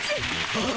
ああ！